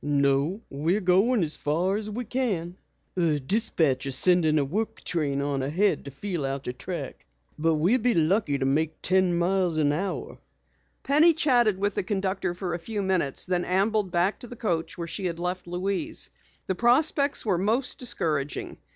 "No, we're going as far as we can," the conductor answered. "The dispatcher's sending a work train on ahead to feel out the track. But we'll be lucky to make ten miles an hour." Penny chatted with the conductor for a few minutes, then ambled back to the coach where she had left Louise. The prospects were most discouraging.